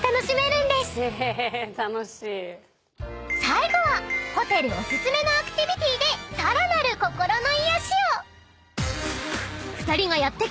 ［最後はホテルお薦めのアクティビティーでさらなる心の癒やしを］